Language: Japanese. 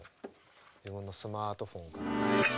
自分のスマートフォンから。